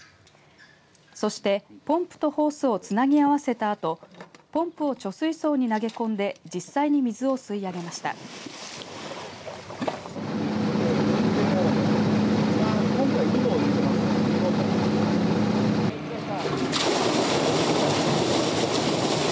そして、ポンプとホースをつなぎ合わせたあとポンプを貯水槽に投げ込んで実際に水を吸い上げました。